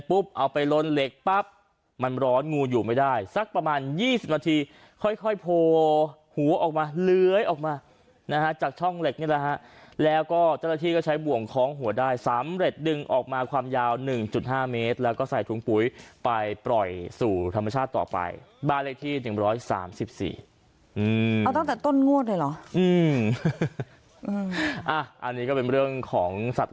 เอาไปลนเหล็กปั๊บมันร้อนงูอยู่ไม่ได้สักประมาณ๒๐นาทีค่อยโผล่หัวออกมาเลื้อยออกมานะฮะจากช่องเหล็กนี่แหละฮะแล้วก็เจ้าหน้าที่ก็ใช้บ่วงคล้องหัวได้สำเร็จดึงออกมาความยาว๑๕เมตรแล้วก็ใส่ถุงปุ๋ยไปปล่อยสู่ธรรมชาติต่อไปบ้านเลขที่๑๓๔เอาตั้งแต่ต้นงวดเลยเหรออันนี้ก็เป็นเรื่องของสัตว